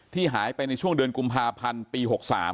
หายไปในช่วงเดือนกุมภาพันธ์ปี๖๓